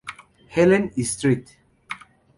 Helen y St.